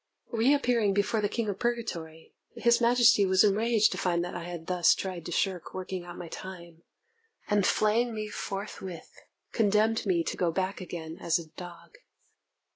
Reappearing before the King of Purgatory, His Majesty was enraged to find that I had thus tried to shirk working out my time; and, flaying me forthwith, condemned me to go back again as a dog.